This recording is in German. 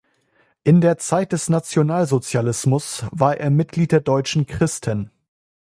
In der Zeit des Nationalsozialismus war er Mitglied der Deutschen Christen.